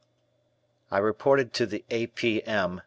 I reported to the A. P. M.